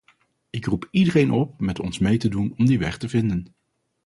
Ik roep iedereen op met ons mee te doen om die weg te vinden.